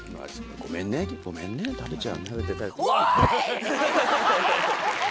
ごめんねごめんね食べちゃう。